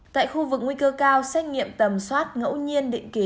tại khu vực nguy cơ cao xét nghiệm tầm soát ngẫu nhiên định kỳ